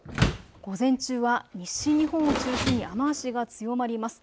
午前中は西日本を中心に雨足が強まります。